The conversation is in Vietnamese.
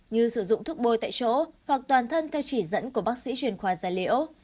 như sử dụng thuốc bôi tại chỗ hoặc toàn thân theo chỉ dẫn của bác sĩ chuyên khoa gia liễu